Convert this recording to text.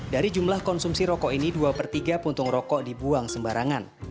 dari jumlah konsumsi rokok ini dua per tiga puntung rokok dibuang sembarangan